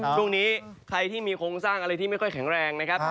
ช่วงนี้ใครที่มีโครงสร้างอะไรที่ไม่ค่อยแข็งแรงนะครับ